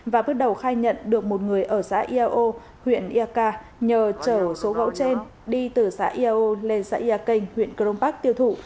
và bước đầu khai nhận được một người ở xã eao huyện eaka nhờ trở số gỗ trên đi từ xã eao lên xã ea kênh huyện cron park tiêu thụ